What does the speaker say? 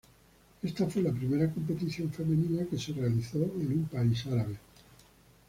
Esta fue la primera competición femenina que se realizó en un país árabe.